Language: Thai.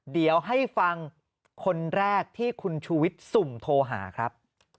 เดี๋ยวให้ฟังคนแรกที่คุณชูวิทย์สุ่มโทรหาครับ